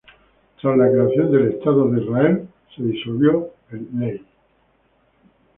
Tras la creación del Estado de Israel se disolvió el Lehi.